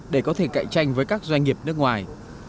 để có thể cạnh tranh với các doanh nghiệp nước ngoài